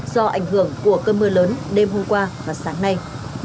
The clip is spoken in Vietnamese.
do ảnh hưởng của cơn mưa lớn đêm hôm qua và sáng nay